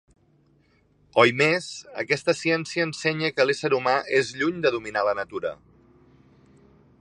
Oimés, aquesta ciència ensenya que l'ésser humà és lluny de dominar la natura.